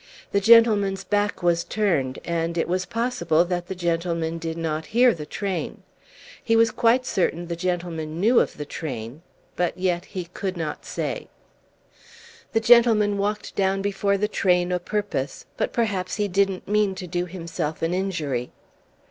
The gentleman's back was turned, and it was possible that the gentleman did not hear the train. He was quite certain the gentleman knew of the train; but yet he could not say. The gentleman walked down before the train o' purpose; but perhaps he didn't mean to do himself an injury.